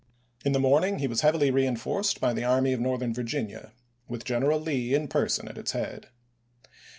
In the morn ing he was heavily reenforced by the Army of Northern Virginia, with General Lee in person at its head.